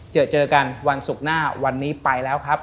เจอเจอกันวันศุกร์หน้าวันนี้ไปแล้วครับ